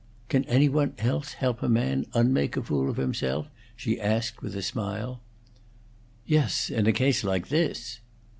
"Can any one else help a man unmake a fool of himself?" she asked, with a smile. "Yes. In a case like this."